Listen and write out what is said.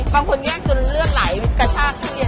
บางคนนี้เค้าจะเลือกไหลกระช่าทุเรียน